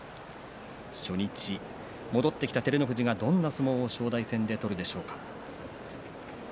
初日、戻ってきた照ノ富士がどんな相撲を正代戦で取るでしょうか。